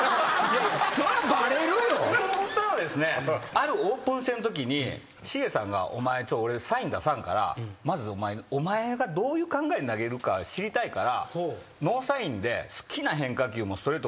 あるオープン戦のときに繁さんが「俺サイン出さんからまずお前がどういう考えで投げるか知りたいからノーサインで好きな変化球もストレートも」